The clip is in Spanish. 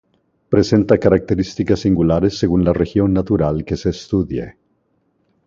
Presenta características singulares según la región natural que se estudie.